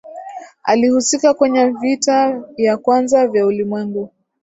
alihusika kwenye vita ya kwanza vya ulimwengu